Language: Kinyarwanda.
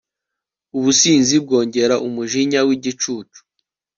ubusinzi bwongera umujinya w'igicucu